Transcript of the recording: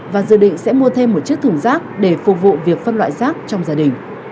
và dự định sẽ mua thêm một chiếc thùng rác để phục vụ việc phân loại rác trong gia đình